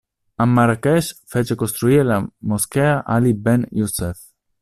A Marrakech fece costruire la moschea Ali Ben Youssef.